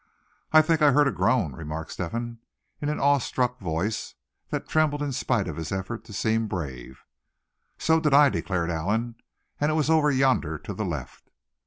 "I think I heard a groan!" remarked Step hen, in an awe struck voice, that trembled in spite of his effort to seem brave. "So did I," declared Allan; "and it was over yonder to the left."